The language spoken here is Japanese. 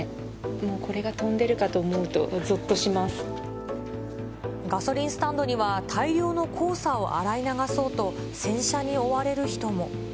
もうこれが飛んでるかと思うと、ガソリンスタンドには、大量の黄砂を洗い流そうと、洗車に追われる人も。